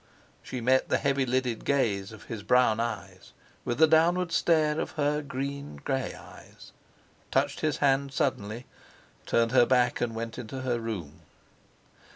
She met the heavy lidded gaze of his brown eyes with the downward stare of her green grey eyes; touched his hand suddenly, turned her back, and went into her room.